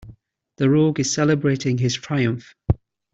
The rogue is celebrating his triumph.